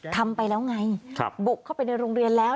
ทำไปแล้วไงบุกเข้าไปในโรงเรียนแล้ว